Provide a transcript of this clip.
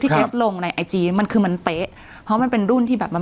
เกรสลงในไอจีมันคือมันเป๊ะเพราะมันเป็นรุ่นที่แบบมัน